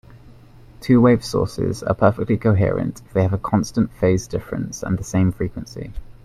Two-wave sources are perfectly coherent if they have a constant phase difference and the same frequency.